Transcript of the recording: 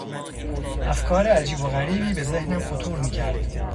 افکار عجیب و غریبی به ذهنم خطور میکرد.